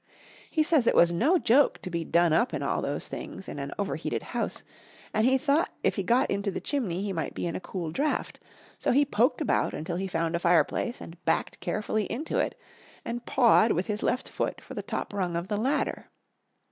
He says it was no joke to be done up in all those things in an overheated house, and he thought if he got into the chimney he might be in a cool draught, so he poked about until he found a fireplace and backed carefully into it, and pawed with his left foot for the top rung of the ladder.